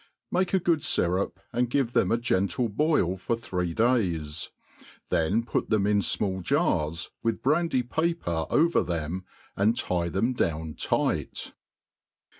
Make a good fyrup, and give them a gentle Wil for three days, then put them in fmall jars, with brandy r paper oyer them, and tie (hem dovirn tight.